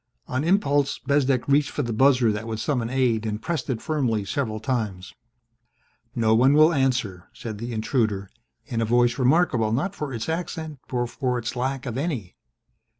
On impulse, Bezdek reached for the buzzer that would summon aid and pressed it firmly several times. "No one will answer," said the intruder in a voice remarkable not for its accent but for its lack of any.